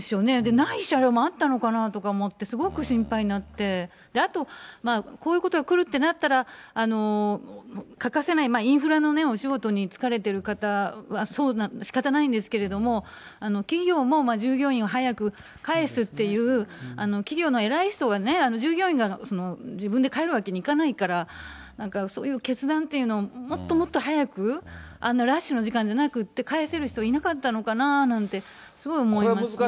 ない車両もあったのかなとか思って、すごく心配になって、あと、こういうことが来るってなったら、欠かせない、インフラのお仕事に就かれてる方はしかたないんですけれども、企業も従業員を早く帰すっていう、企業の偉い人がね、従業員が自分が帰るわけにいかないから、なんかそういう決断っていうのも、もっともっと早く、あんなラッシュの時間じゃなく、帰せる人がいなかったのかなって、すごい思いますね。